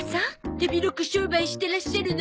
手広く商売してらっしゃるの？